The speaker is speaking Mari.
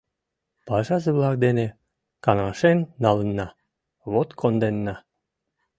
— Пашазе-влак дене каҥашен налынна, вот конденна.